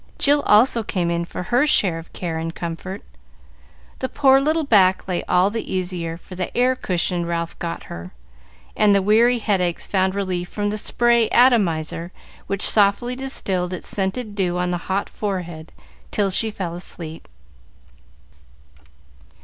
Jill also came in for her share of care and comfort; the poor little back lay all the easier for the air cushion Ralph got her, and the weary headaches found relief from the spray atomizer, which softly distilled its scented dew on the hot forehead till she fell asleep.